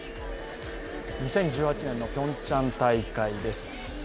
２０１８年のピョンチャン大会です。